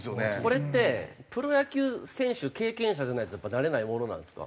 これってプロ野球選手経験者じゃないとやっぱなれないものなんですか？